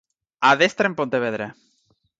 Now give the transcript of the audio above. Adestra en Pontevedra.